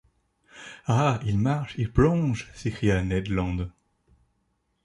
Ah ! il marche ! il plonge ! s’écria Ned Land.